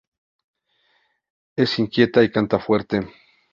Es inquieta y canta fuerte.